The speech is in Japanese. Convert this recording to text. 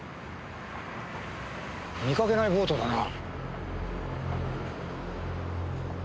見かけないボートだな。